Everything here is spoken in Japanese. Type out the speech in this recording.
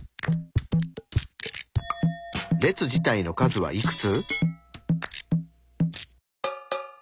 列自体の数はいくつ？